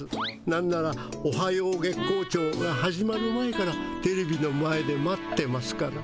なんなら「おはよう月光町」が始まる前からテレビの前で待ってますから。